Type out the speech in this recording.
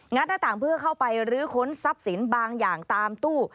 หน้าต่างเพื่อเข้าไปรื้อค้นทรัพย์สินบางอย่างตามตู้